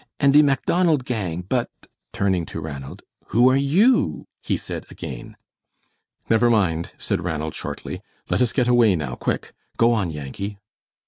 And de Macdonald gang, but" turning to Ranald "who are YOU?" he said again. "Never mind," said Ranald, shortly, "let us get away now, quick! Go on, Yankee."